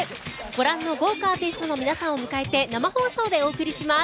ご覧の豪華アーティストの皆さんを迎えて生放送でお送りします。